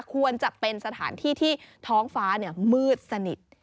ควรจะเป็นสถานที่ที่ท้องฟ้ามืดสนิท